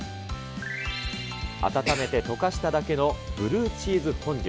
温めて溶かしただけのブルーチーズフォンデュ。